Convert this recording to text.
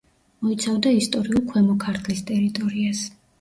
მოიცავდა ისტორიულ ქვემო ქართლის ტერიტორიას.